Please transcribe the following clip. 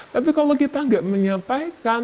tapi kalau kita nggak menyampaikan